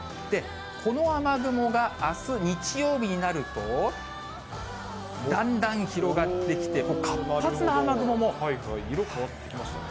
この雨雲があす日曜日になると、だんだん広がってきて、色変わってきましたね。